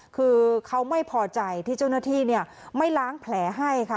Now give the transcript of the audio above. คือเขาไม่พอใจที่เจ้าหน้าที่ไม่ล้างแผลให้ค่ะ